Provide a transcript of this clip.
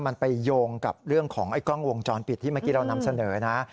มันไปโยงกับเรื่องของไอ้กล้องวงจรปิดที่เมื่อกี้เรานำเสนอนะ